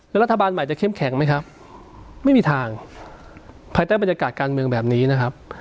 รัฐบาลใหม่จะเข้มแข็งไหมครับไม่มีทางภายใต้บรรยากาศการเมืองแบบนี้นะครับ